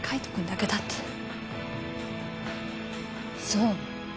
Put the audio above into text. そう。